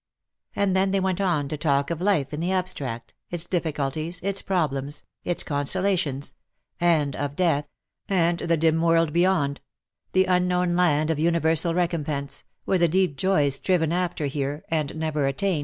And then they went on to talk of life in the abstract — its difficulties — its problems — its consola tions — and of death — and the dim world beyond — the unknown land of universal recompense, where the deep joys striven after here, and never attained.